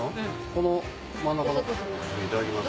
この真ん中のいただきます。